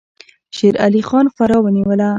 شیر علي خان فراه ونیوله.